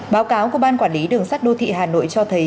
báo cáo của ban quản lý đường sắt đô thị hà nội cho thấy